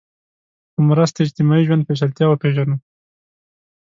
په مرسته اجتماعي ژوند پېچلتیا وپېژنو